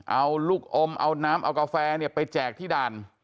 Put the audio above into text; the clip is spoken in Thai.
เอาลูกอมเอาน้ำเอากาแฟไปแจกที่ด่าน